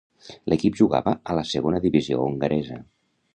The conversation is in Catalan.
L'equip jugava a la segona divisió hongaresa.